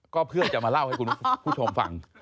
ก็เพื่อจะมาเล่าให้คุณผู้ชมฟัง